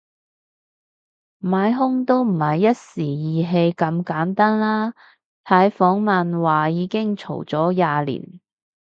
買兇都唔係一時意氣咁簡單啦，睇訪問話已經嘈咗廿年